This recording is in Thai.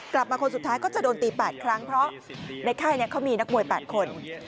คนสุดท้ายก็จะโดนตี๘ครั้งเพราะในค่ายเขามีนักมวย๘คน